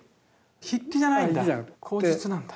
筆記じゃないんだ口述なんだ。